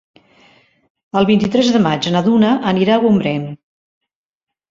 El vint-i-tres de maig na Duna anirà a Gombrèn.